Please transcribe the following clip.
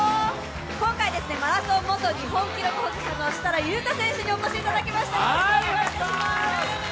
今回マラソン元日本記録保持者の設楽悠太選手にお越しいただきました、よろしくお願いします。